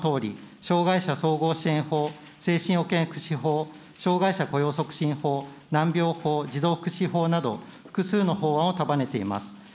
資料５のとおり、障害者総合支援法、精神保健福祉法、障害者雇用促進法、難病法、児童福祉法など、複数の法案を束ねています。